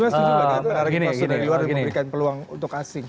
mas bilma menarik investor dari luar untuk memberikan peluang untuk asing